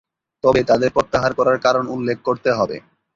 তবে তাদের প্রত্যাহার করার কারণ উল্লেখ করতে হবে।